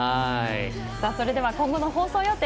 それでは、今後の放送予定